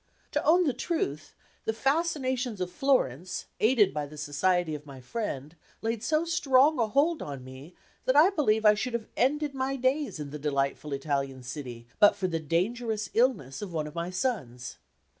To own the truth, the fascinations of Florence, aided by the society of my friend, laid so strong a hold on me that I believe I should have ended my days in the delightful Italian city, but for the dangerous illness of one of my sons.